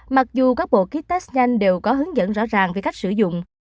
mặc dù các bộ ký test nhanh đều có hướng dẫn rõ ràng về cách sử dụng